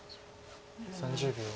３０秒。